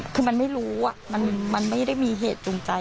คือมันไม่รู้มันไม่ได้มีเหตุจูงใจ